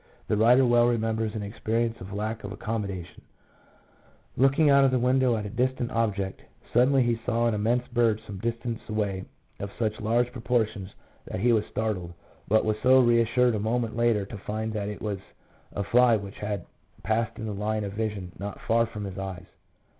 The writer well remembers an experience of lack of accommodation ; looking out of the window at a distant object, suddenly he saw an immense bird some distance away of such large proportions that he was startled, but was reassured a moment later to find that it was a fly which had passed in the line of vision not far from his eyes.